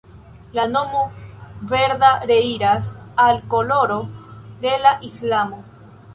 La nomo Verda reiras al koloro de la islamo.